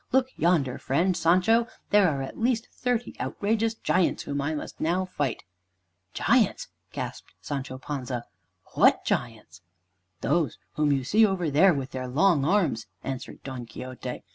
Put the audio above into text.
Look yonder, friend Sancho, there are at at least thirty outrageous giants whom I must now fight." "Giants!" gasped Sancho Panza, "what giants?" "Those whom you see over there with their long arms," answered Don Quixote.